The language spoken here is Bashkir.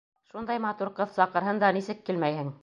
Шундай матур ҡыҙ саҡырһын да нисек килмәйһең?